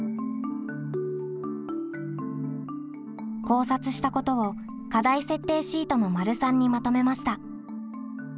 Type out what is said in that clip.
考察したことを課題設定シートの③にまとめました。